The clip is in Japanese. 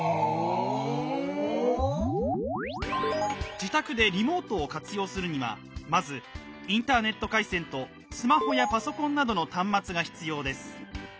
自宅でリモートを活用するにはまずインターネット回線とスマホやパソコンなどの端末が必要です。